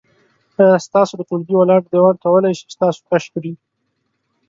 آیا ستاسو د ټولګي ولاړ دیوال کولی شي چې تاسو کش کړي؟